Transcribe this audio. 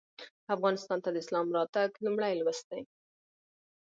افغانستان ته د اسلام راتګ لومړی لوست دی.